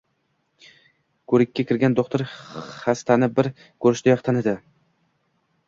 Koʻrikka kirgan doʻxtir xastani bir koʻrishdayoq tanidi